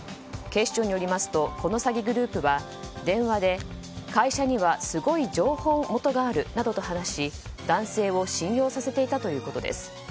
警視庁によりますとこの詐欺グループは電話で会社にはすごい情報元があるなどと話し男性を信用させていたということです。